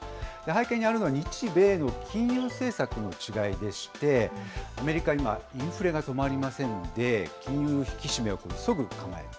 背景にあるのは日米の金融政策の違いでして、アメリカは今、インフレが止まりませんで、金融引き締めを急ぐ構え。